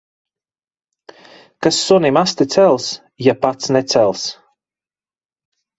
Kas sunim asti cels, ja pats necels.